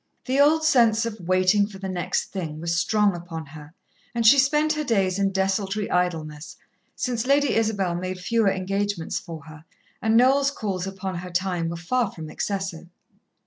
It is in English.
The old sense of "waiting for the next thing" was strong upon her, and she spent her days in desultory idleness, since Lady Isabel made fewer engagements for her, and Noel's calls upon her time were far from excessive.